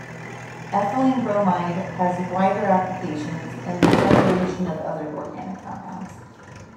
Ethylene bromide has wider applications in the preparation of other organic compounds.